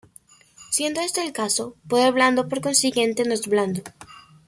Siendo este el caso, poder blando por consiguiente no es blando.